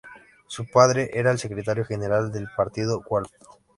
Su padre era el Secretario General del Partido Wafd.